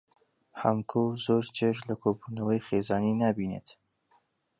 حەمکۆ زۆر چێژ لە کۆبوونەوەی خێزانی نابینێت.